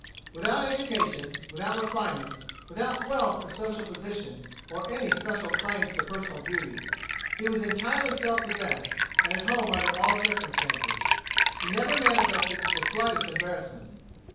Without education, without refinement, without wealth or social position, or any special claims to personal beauty, he was entirely self possessed and at home under all circumstances. He never manifested the slightest embarrassment.